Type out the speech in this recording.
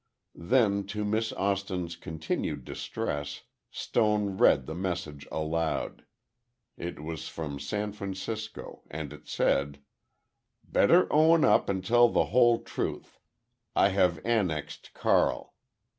Then to Miss Austin's continued distress, Stone read the message aloud. It was from San Francisco, and it said: "Better own up and tell the whole truth. I have annexed Carl."